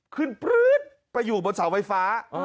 ปลื๊ดไปอยู่บนเสาไฟฟ้า